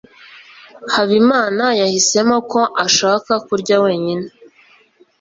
Habimana yahisemo ko ashaka kurya wenyine.